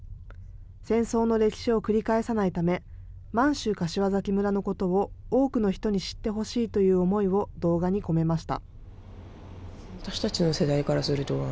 戦争の歴史を繰り返さないため、満州柏崎村のことを多くの人に知ってほしいという思いを動画に込めました。